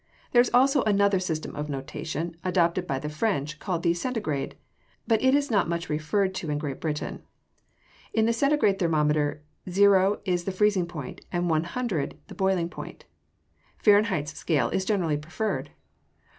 There is also another system of notation, adopted by the French, called the centigrade, but it is not much referred to in Great Britain. In the centigrade thermometer 0 zero is the freezing point, and 100 the boiling point. Fahrenheit's scale is generally preferred.